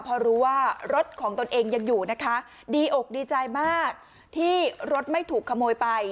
พอรู้ว่ารถของตนเองยังอยู่นะคะดีอกดีใจมากที่รถไม่ถูกขโมยไป